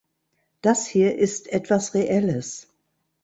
Das hier ist etwas Reelles.